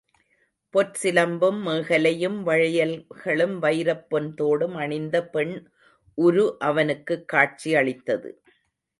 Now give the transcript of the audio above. பொற் சிலம்பும், மேகலையும், வளையல்களும், வயிரப் பொன் தோடும் அணிந்த பெண் உரு அவனுக்குக் காட்சி அளித்தது.